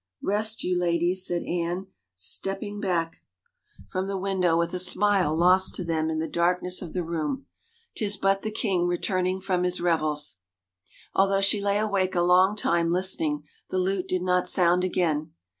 " Rest you, ladies," said Anne, stepping back from the 345 THE FAVOR OF KINGS window with a smile lost to them in the darkness of the room. " 'Tis but the king returning from his revels." Although she lay awake a long time listening the lute did not sound again.